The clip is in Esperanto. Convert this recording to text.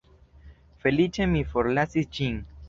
Feliĉe mi forlasis ĝin.